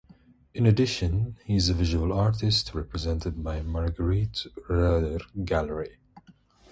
In addition, he is a visual artist represented by Margarete Roeder Gallery.